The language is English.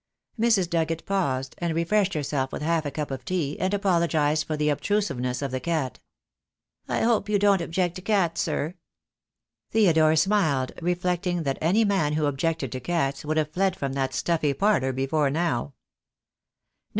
Mrs. Dugget paused, and refreshed herself with half a cup of tea, and apologized for the obtrusiveness of the cat. "I hope you don't object to cats, sir." Theodore smiled, reflecting that any man who objected to cats would have fled from that stuffy parlour before now.